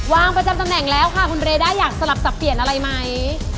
ประจำตำแหน่งแล้วค่ะคุณเรด้าอยากสลับสับเปลี่ยนอะไรไหม